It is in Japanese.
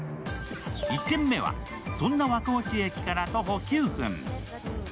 １軒目は、そんな和光市駅から徒歩９分。